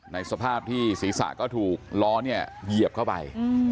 สภาพที่ศีรษะก็ถูกล้อเนี่ยเหยียบเข้าไป